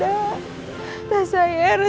hai oh gitu